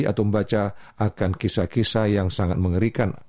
atau membaca akan kisah kisah yang sangat mengerikan